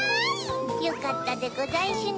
よかったでござんしゅね。